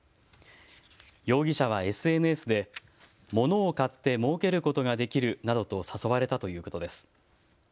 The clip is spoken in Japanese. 容疑者はＳＮＳで物を買ってもうけることができるなどと誘われたということです。